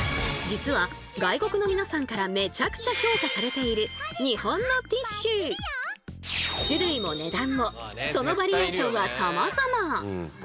実は外国の皆さんからめちゃくちゃ評価されている種類も値段もそのバリエーションはさまざま。